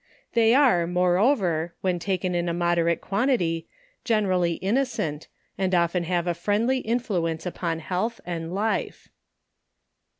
They are, moreover, when taken in a moderate quantity, generally innocent, and often have a friendly influence upon health and life.